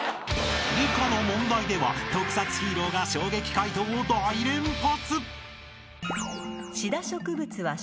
［理科の問題では特撮ヒーローが衝撃解答を大連発！］